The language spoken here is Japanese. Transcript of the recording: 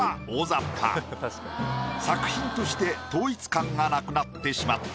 作品として統一感がなくなってしまった。